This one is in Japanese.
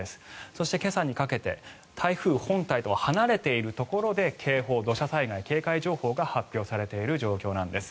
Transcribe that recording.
そして、今朝にかけて台風本体と離れているところで土砂災害警戒情報が発表されている状況です。